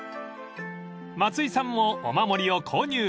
［松居さんもお守りを購入］